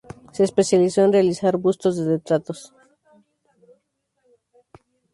Se especializó en realizar bustos de retratos.